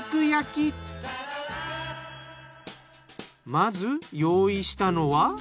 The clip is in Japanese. まず用意したのは。